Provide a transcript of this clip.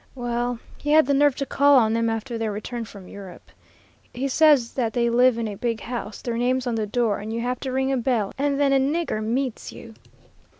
Well, he had the nerve to call on them after their return from Europe. He says that they live in a big house, their name's on the door, and you have to ring a bell, and then a nigger meets you.